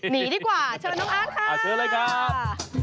หนีดีกว่าเชิญน้องอาร์ตค่ะเชิญเลยครับ